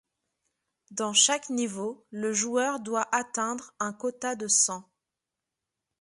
Dans chaque niveau, le joueur doit atteindre un quota de sang.